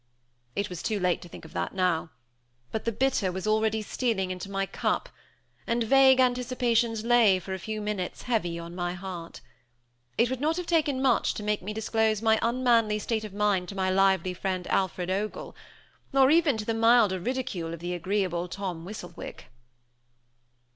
It was too late to think of that now; but the bitter was already stealing into my cup; and vague anticipations lay, for a few minutes, heavy on my heart. It would not have taken much to make me disclose my unmanly state of mind to my lively friend Alfred Ogle, nor even to the milder ridicule of the agreeable Tom Whistlewick.